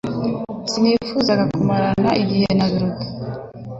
Sinifuzaga kumarana igihe na Biruta